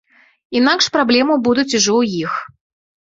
Інакш праблемы будуць ужо ў іх.